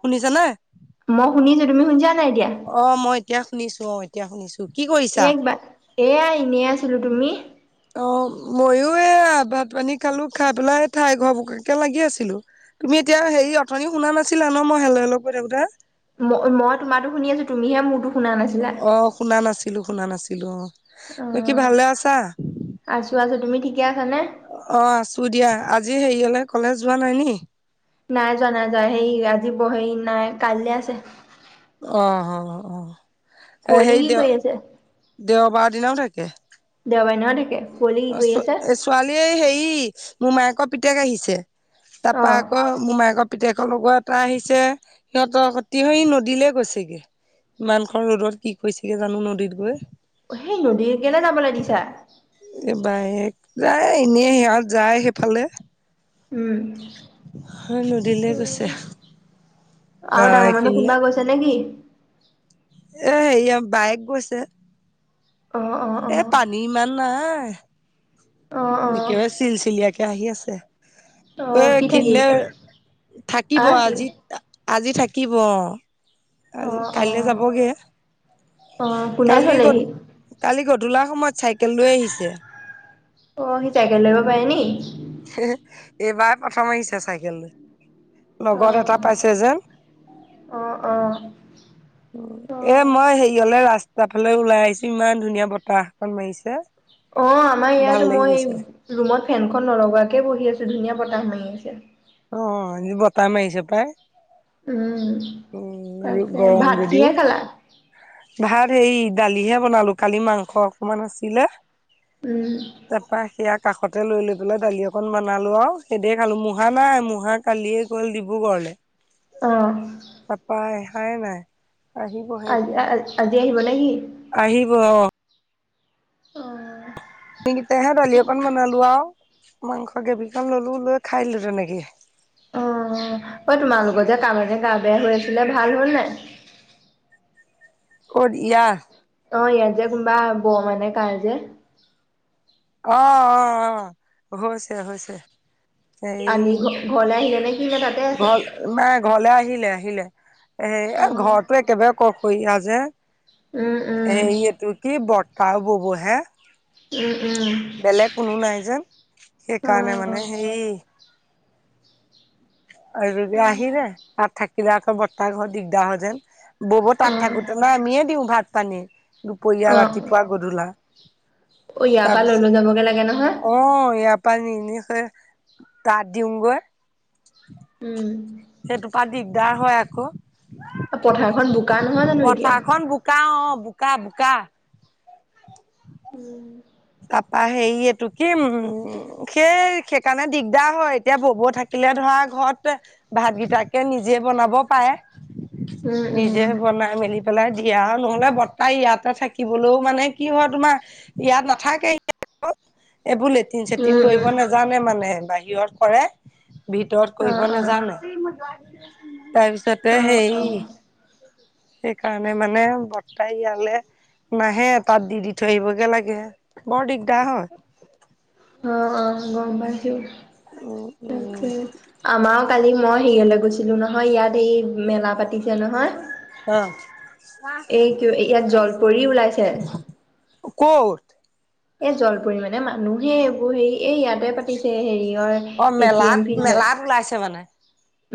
শুনিছা নে? মই শুনিছোঁ তুমি শুনিছা নাই এতিয়া। অ, ' মই এতিয়া শুনিছোঁ অ এতিয়া শুনিছোঁ। এইবা এয়াই নি আছিলোঁ তুমি? অ, 'মইয়ো এই ভাত পানী খালো খাই পেলাই ঠাই ঘৰ বকাকে লাগি আছিলো। তুমি এতিয়া হেৰি অথনি শুনা নাছিলা ন' মই হে'ল লগ কৈ থাকোতে। মই মই তোমাৰোটো শুনি আছোঁ তুমিহে মোৰটো। অ, ' শুনা নাছিলোঁ শুনা নাছিলোঁ অ'। অ, বাকী ভালে আছা? 'আছো আছো তুমি ঠিকে আছা নে? অ, ' আছোঁ দিয়া আজি হেৰি হ'লে কলেজ যোৱা নাই নেকি? নাই যোৱা নাই যোৱা সেই আজি পহৰিলৈ নাই কাইলে আছে। অ, 'অ, কুঁৱলী 'অ'সেই কি দে কৰি আছে দেওবাৰ দিনাও থাকে। দেওবাৰ দিনা ও থাকে। কুঁৱলী কি অ, ' কৰি ছো আছে ছোৱালীয়ে হেৰি মোমায়েকৰ পিতেক আহিছে অ তাপা আকৌ। মোৰমাইকৰ পিতেকৰ লগৰ এটা আহিছে সিহঁতৰ সতি সে নদীলে গৈছে। ইমান খন ৰ'দত কি কৈছেগে জানো নদীত গৈ। সেই নদীত কেলে যাবলৈ দিছা। এইবাৰ যায় এনেই সিহঁত যায় সেইফালে। উম। হয় নদীলৈ গৈছে। আৰু আহ ডাঙৰ মানুহ এইখিনিলে কোনোবা গৈছে নেকি? এ হেৰিয়া বায়েক গৈছে। অ, 'অ'। অ এ পানী ইমান নাই। অ অ একেবাৰে চিল চিলিয়াকে আহি আছে। অ এ সি থাকিব কিলিয়াৰ থাকিব আহ কি আজি আজি থাকিব অ'। অ আজি কাইলৈ অ যাবগে। অ কোনে কালি গ'ল, থলেহি কালি গধূলিৰ সময়ত চাইকেল লৈ আহিছে। অ', সি চাইকেল চলাব পাৰে নিকি? এইবাৰ প্ৰথম আহিছে চাইকেল অ লগত এটা পাইছে যে। অ অ অ এ' মই সেই - এইফালে ৰাস্তা ফালে ওলাই আহিছো ইমান ধুনীয়া বতাহ অকণ মাৰিছে। অঁ', আমাৰ ভাল ইয়াতো লাগি মই গৈছে এই- ৰুমত ফেনখন নলগাকে বহি আছো ধুনীয়া বতাহ মাৰি আছে। অঁ', বতাহ মাৰিছে পাই। উমঁ' উম তাকে। গৰম ভাত কি যদিও হে খালা? ভাত সেই দালিহে বনালো কালি মাংস অকণমান আছিলে। উম। তাৰপা সেয়া কাষতে লৈ-লৈ পেলাই দালি অকণ বনালো আৰু সেই দি খালো। মহাক নাই মহাক- কালিয়ে গ'ল ডিব্ৰুগড়লে। অঁ। তাৰাপা আহাই নাই। আহিবহে আজ, এতিয়া আজি আহিব নেকি? আহিব অঁ',। অহ। আমি কেইটাহে দালি অকণ বনালো আৰু মাংস কেইপিচমান ল'লো লৈ খাই দিলো তেনেকে। অঁহ', ঐ তোমালোকৰ যে কাৰোবাৰ যে গা বেয়া হৈ আছিলে ভাল হ'ল নাই? [unintelligible] ক'ত ইয়াৰ? অঁ', -ইয়াত যে কোন বা বৰমাৰ নে কাৰ যে। অঁহ', -অঁহ', -অঁহ', হৈছে-হৈছে। আনি ঘ-ঘৰলে আহিলে নেকি নে তা'তে আছে? ঘৰ নাই, ঘৰলে আহিলে-আহিলে-আহিলে অ ঘৰতটো একেবাৰে অকলশৰীয়া যে। উম উম এই এইটো কি বৰটা আৰু বুবু হে। উমঁ-উমঁ। বেলেগ কোনো নাই যে সেইকাৰণে মানে সেই- আৰু যদিও আহিলে তা'ত থাকিলে আকৌ বৰটাৰ ঘৰত দিগদাৰ হয় যে। বৌহঁত অ তা'ত থাকোতে মানে আমিয়ে দিওঁ ভাত-পানী- দুপৰীয়া, অ ৰাতিপুৱা, গধূলা। ইয়াৰ পৰা লৈ-লৈ যাবগে লাগে নহয়। অঁহ', -ইয়াৰ পৰা নি-নি সেই তা'ত দিওঁ গৈ। উম। সেইটো পৰা দিগদাৰ হয় আকৌ। পথাৰখন বোকা নহয় জানো এতিয়া। পথাৰখন বোকা অঁ', বোকা-বোকা। [unintelligible] উমঁ। তাৰপৰা হেৰি এইটো কি উমঁ' সেই সেইকাৰণে দিগদাৰ হয় এতিয়া ববও থাকি- লে ধৰা ঘৰতে ভাত কেইটাকে নিজে বনাব পাৰে। নিজে উম বনাই মেলি- পেলাই দিয়া আৰু নহ'লে বৰটাই ইয়াতে থাকিবলৈও মানে কি হয় তোমাৰ ইয়াত নাথা- কে আক এইবোৰ লেট্ৰিন-চেট্ৰিন উম কৰিব উম নাজানে মানে বাহিৰত কৰে। ভিতৰত অ কৰিব অ নাজানে, তাৰপিছত তে অ অ হেৰি সেইকাৰণে মানে বৰতাই ইয়ালে নাহে, তাত দি দি থৈ আহিবগে লাগে। বৰ দিগদাৰ হয়। অহ', অহ' গম পাইছো, তাকে। আমাৰো কালি মই হেৰিয়ালৈ গৈছিলো নহয়, ইয়াত হেৰি মেলা পাতিছে নহয়। অহ'। এই কি ইয়াত জলপৰি ওলাইছে। ক'ত? এই জলপৰি মানে মানুহেই এইবোৰ হেৰি, এই ইয়াতে পাতিছে হেৰি হয়। অ' মেলাত, মেলাত ওলাইছে মানে।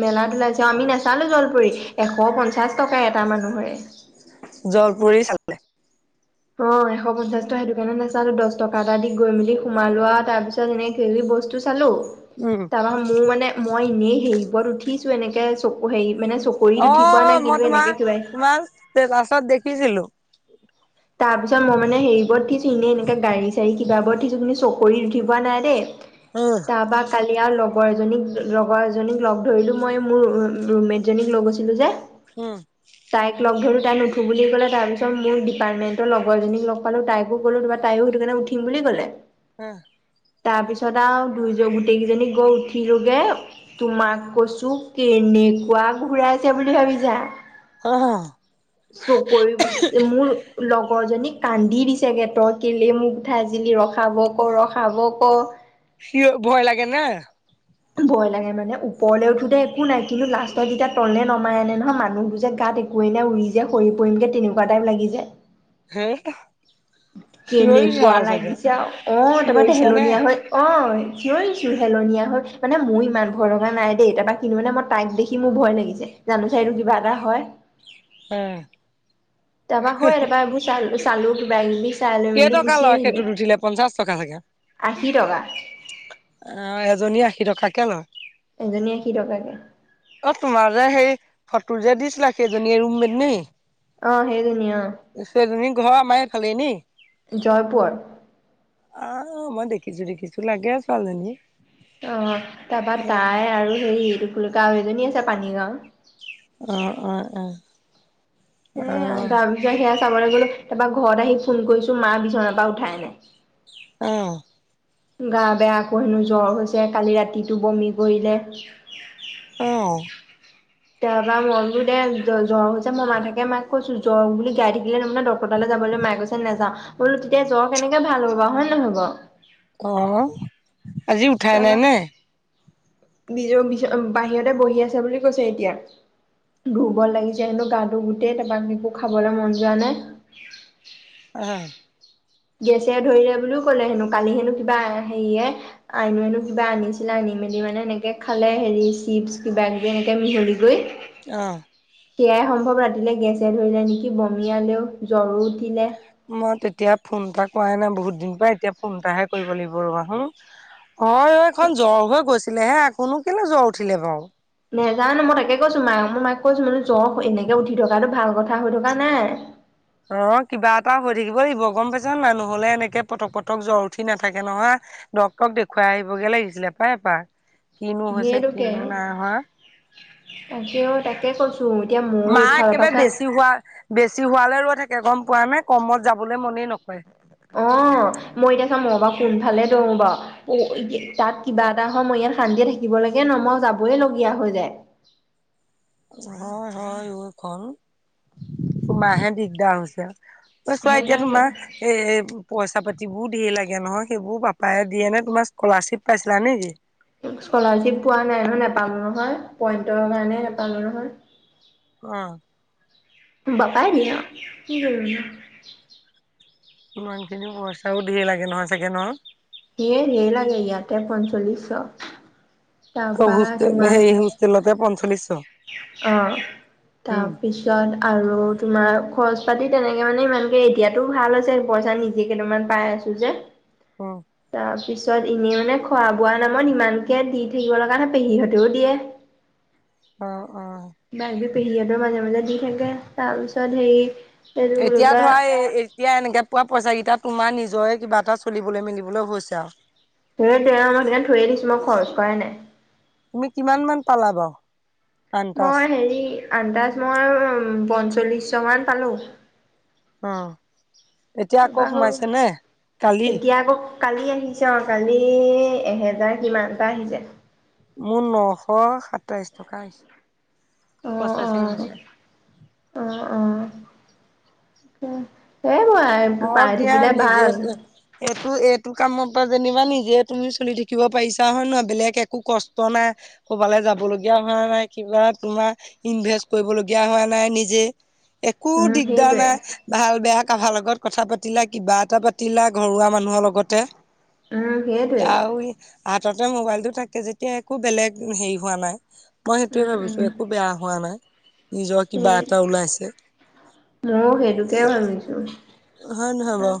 মেলাত ওলাইছে। অ' আমি নাচালো জলপৰি এশ পঞ্চাছ টকা এটা মানুহৰে। জলপৰি চালে। অ' এশ পঞ্চাছ টকা, সেইটো কাৰণে নাচালো। দহ টকা এটা দি গৈ মেলি সোমাই লোৱা তাৰ পিছত তাত এনে খেলি বস্তু চালো। উম। তাৰপাছত মোৰ মানে, মই এনেই হেৰি ওপৰত উঠিছো এনেকে চকু হেৰি মানে চকৰিত অ', উঠি পোৱা নাই অ' মই কিন্তু এনেকে তোমাক, কিবা তোমাক বাছত দেখিছিলো। তাৰপিছত মই মানে হেৰিবোৰত উঠিছোঁ, এনে এনেকে গাড়ী-চাড়ী কিবাবোৰত উঠিছো, কিন্তু চকৰিত উঠি পোৱা নাই দেই। উম, তাৰপা কালি ইয়াৰ লগৰ এজনীক, লগৰ এজনীক লগ ধৰিলো মই মোৰ ৰু-ৰুমমেট জনীক লৈ গৈছিলো যে। উম। তাইক লগ ধৰিলো, তাই নুঠো বুলি ক'লে তাৰ পিছত মোৰ তাইৰ এইমাত্ৰ লগৰ এজনীক লগ পালোঁ তাইকো ক'লো, তোমাৰ তাইও সেইটো কাৰণে উঠিম বুলি ক'লে। উম। তাৰ পিছত আৰু দুজন, গোটেই কেইজনী গৈ উঠিলোগে তোমাক কৈছো কেনেকুৱা ঘূৰাইছে বুলি ভাবিছা। অ' চকৰি হৈছে মোৰ। লগৰজনীক কান্দি দিছে গে, ত‌ই কেলেই মোক উঠাইছিলি ৰখাব ক, ৰখাব ক। সিও ভয় লাগে নে। ভয় লাগে মানে ওপৰলৈ উঠোতে একো নাই কিন্তু লাষ্টত যেতিয়া তললে নমাই আনে নহয়, মানুহ বোৰ যে গাত একো পৰিলে উৰি যে সৰি পৰিম গে তেনেকুৱা টাইপ লাগি যায়। হেই। কেনেকুৱা লাগিছে আৰু অ' তাৰপৰা চিঞৰিছা নে? হেলনীয়া হৈ অ' চিঞৰিছো হেলনীয়া হৈ মানে মোৰ ইমান ভয় লগা নাই দেই, তাৰ পৰা কিনো মানে মই তাইক দেখি মোৰ ভয় লাগিছে, জানো চাই এইটো কিবা এটা হয়। উম। তাৰপৰা হয়, তাৰপৰা এইবোৰ চা-চালো কিবা-কিবি কেই টকা লয়, সেইটোত উঠিলে পঞ্চাশ টকা চাগে? অ' আশী টকা এজনীৰ আশী টকাকে লয়। এজনী আশী টকাকে। অ' তোমাৰ যে সেই ফটো যে দিছিলা, সেইজনীয়ে ৰুমমেট নে? অ' সেইজনীয়ে অ'। সেইজনীৰ ঘৰ আমাৰ এইফালেই নি? জয়পুৰত। অ' মই দেখিছো দেখিছো লাগে, ছোৱালীজনীক। অ', তাপা তাই আৰু হেৰি, এইটো কি বুলি কয়, আৰু এজনী আছে পানীগাঁওত। অ', অ', অ'। এ তাৰপিছত সেয়া চাবলৈ গ'লো, তাৰপৰা ঘৰত আহি ফোন কৰিছো, মা বিছনাৰ পৰা উঠাই নাই। অ'। গা বেয়া, আকৌ হেনো জ্বৰ হৈছে, কালি ৰাতিটো বমি কৰিলে। অ তাৰপৰা মই বোলো দে, জ্ব জ্বৰ হৈছে মই মা তাকে মাক কৈছো, জ্বৰ বুলি গাই থাকিলে তাৰমানে ডক। ডক্টৰ তালৈ যাবলৈ, মাই কৈছে নেযাওঁ, বোলো তেতিয়া, জ্বৰ কেনেকে ভাল হ'ব বাৰু নহয় বাৰু। অ', আজি উঠাই নাই তাৰপৰা নে? [unintelligible] বাহিৰতে বহি আছে বুলি কৈছে এতিয়া। দুৰ্বল লাগিছে হেনো গাটো গোটেই, তাপা একো খাবলৈ মন যোৱা নাই। অ'। গেছে ধৰিলে বুলিও ক'লে হেনো, কালি হেনো কিবা হেৰিয়ে। আইনুৱেনো কিবা আনিছিলে, আনি মেলি মানে এনেকে খালে, হেৰি চিপছ কিবা-কিবি এনেকে মিহলি কৰি। অ'। এয়াই সম্ভৱ, ৰাতিলৈ গেছে ধৰিলে নেকি, বমিয়ালেও, জ্বৰো উঠিলে। মই তেতিয়া, ফোন এটা কৰাই নাই, বহুত দিন পাই, এতিয়া ফোন এটাহে কৰিব লাগিব ৰ'বাছোন। হয়, অই এখন জ্বৰ হৈ গৈছিলে হে, আকৌ নো কেলে জ্বৰ উঠিলে বাৰু। নেজানো, মই তাকে কৈছো মাক, মই মাক কৈছো, জ্বৰ এনেকে উঠি থকাটো ভাল কথা হৈ থকা নাই। অ', কিবা এটা হৈ থাকিব লাগিব, গম পাইছো নে নাই, নহ'লে এনেকে পতক, পতক জ্বৰ উঠি নাথাকে নহয়। ডক্টৰক দেখুৱাই আহিবগে লাগিছিলে পাই এপাক, কিনো হৈছে, কিনো নাই হোৱা। তাক অ', তাকে কৈছো। তো, এতিয়া মোৰ। মা একেবাৰে বেছি হোৱা। বেছি হোৱালে ৰৈ থাকে গম পোৱা নে, কমত যাবলৈ মনেই নকৰে। অ', মই এতিয়া চা, মই বাৰু কোনফালে দৌৰো বাৰু। তাত কিবা এটা হয়, মই ইয়াত শান্তিয়ে থাকিবলৈকে নোৱাৰোঁ, মই যাৱই লগীয়া হৈ যায়। হয়, হয়, অ', এইখন, তোমাৰহে দিগদাৰ হৈছে আও। ঐ ছোৱা, হৈ এতিয়া যায়গে। তোমাৰ এ পইচা পাতিবোৰ ধেৰ লাগে নহয়, সেইবোৰ পাপায়ে দিয়ে নে, তোমাৰ স্কলাৰশ্বিপ পাইছিলা নেকি? স্কলাৰশ্বিপ পোৱা নাই নহয়, নাপাম নহয়, পইণ্টৰ কাৰণে নেপাম নহয়। অ'। পাপাই দিয়ে অ', কি কৰিবনো। ইমানখিনি পইচাও ধেই লাগে নহয় চাগে ন'। এ ধেই লাগে, ইয়াতে পঞ্চল্লিচশ। প্ৰভু, হোষ্টেল, হেৰি হোষ্টেলতে পঞ্চল্লিচশ। অ', তাৰপি পিছত, আৰু তোমাৰ খৰচ পাতি তেনেকে মানে, ইমানকে এতিয়াতো ভাল হৈছে পইচা নি যি কেইটামান পাই আছো যে। অ'। তাৰপিছত, এনেই মানে খোৱা-বোৱা নামত ইমানকে দি থাকিব লগা নাই, পেহীহঁতেও দিয়ে। অ', অ'। বাইদৌক, পেহীহতেও মাজে, মাজে দি থাকে, তাৰপিছত হেৰি এইটো বুলি এতিয়া কয় ধৰা, এ এতিয়া, এনেকে পোৱা পইচা কি, তোমাৰ নিজৰে কিবা এটা চলিবলৈ-মেলিবলৈ হৈছে আৰু। সেইটোৱে অ', মই সেইটো কাৰণে থৈয়ে দিছো, মই খৰচ কৰাই নাই। তুমি কিমান মান পালা বাৰু? আনতাজ মই হেৰি আন্দাজ মই পঞ্চল্লিচশ মান পালো। অ' এতিয়া আকৌ হ'ল সোমাইছেনে? কালি। এতিয়া আকৌ কালি আহিছে অ' কালি এহেজাৰ কিমানটা আহিছে। মোৰ নশ সাতাইশ টকা হৈছে প্ৰচেচিং হৈছে। অ' অ' সেই মই [unintelligible] হওক পাই দিয়া থাকিলে নিজে ভাল। এইটো এইটো কামৰ পৰা যেনিবা নিজে তুমি চলি থাকিব পাৰিছা হয় নে নহয় বেলেগ একো কষ্ট নাই। কৰ'বালৈ যাব লগীয়া হোৱা নাই কিবা তোমাৰ ইনভেষ্ট কৰিবলগীয়া হোৱা নাই নিজে। এহ একো উম দিগদাৰ সেইটোৱে নাই ভাল বেয়া কাবাৰ লগত কথা পাতিলা কিবা এটা পাতিলা ঘৰুৱা মানুহৰ লগতে। উম এতিয়া সেইটোৱে আৰু হাততে মোবাইলটো থাকে যেতিয়া একো বেলেগ হেৰি হোৱা নাই। মই সেইটোৱে উম উম ভাবিছো একো বেয়া হোৱা নাই। নিজৰ কিবা সেই এটা ওলাইছে। আ [unintelligible] হয় নহয় বাৰু।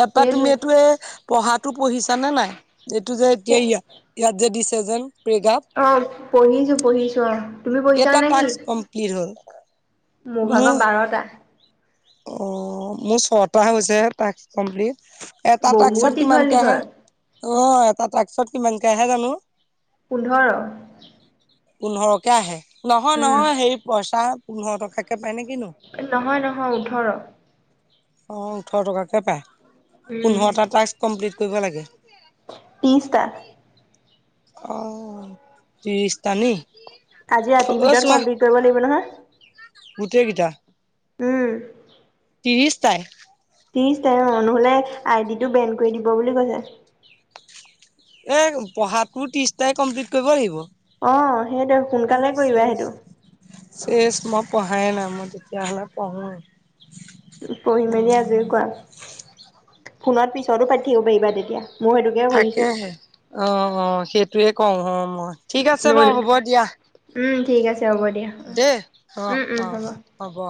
তাৰপা তুমি এইটো এ পঢ়াতো পঢ়িছা নে নাই এইটো যে এতিয়া ইয়াত ইয়াত যে দিছে যেন প্ৰেৰেগ্ৰাপ? অ' পঢ়িছো পঢ়িছো অ'। তুমি পঢ়িছা কেইটা নেকি? টাস্ক কমপ্লিট হ'ল? মোৰ ভাগৰ বাৰটা। অ' মোৰ ছটা হৈছেহে টাস্ক কমপ্লিট। এটা বহুত টাস্কতলত দীঘল কিমানকে আহে। দীঘল অ' এটা টাস্কত কিমানকে আহে জানো। পোন্ধৰ। পোন্ধৰকে আহে। নহয় উম নহয় সেৰি পইচা? পোন্ধৰ টকাকে পাই নে কিনো? নহয় নহয় ওঠৰ। অ' ওঠৰ টকাকৈ পায়। উম পোন্ধৰটা টাস্ক কমপ্লিট কৰিব লাগে। ত্ৰিৰিশটা। অ' ত্ৰিৰিশটা নি? আজি ৰাতিৰ ভিতৰত কমপ্লিট কৰিব লাগিব নহয় গোটেইকেইটা উম ত্ৰিছ তাই ত্ৰিছ টা অ নহলে আই ডি টো বেন কৰি দিব বুলি কৈছে এই পঢ়াটো ত্ৰিছ টাই কমপ্লিট কৰিব লাগিব। অ সেইটোৱেই সোনকালে কৰিবা সেইটো ছেছ মই পঢ়াই নাই মই তেতিয়াহলে পঢ়ো পঢ়ি মেলি আজৰি কৰা ফোনত পিছতো পাতি থাকিব পাৰিবা তেতিয়া মোৰ সেইটো তাকেহে অ অ সেইটোয়ে কওঁ অ মই ঠিক আছে বাৰু হ'ব দিয়া উম ঠিক আছে হ'ব দিয়া দেই। উম অ', উম হ'ব অ', হ'ব